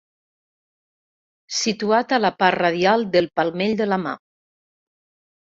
Situat a la part radial del palmell de la mà.